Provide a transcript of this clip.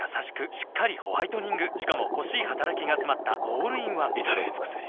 しっかりホワイトニングしかも欲しい働きがつまったオールインワン至れり尽せり